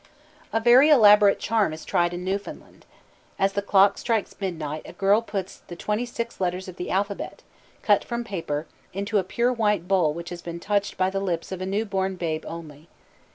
A very elaborate charm is tried in Newfoundland. As the clock strikes midnight a girl puts the twenty six letters of the alphabet, cut from paper, into a pure white bowl which has been touched by the lips of a new born babe only.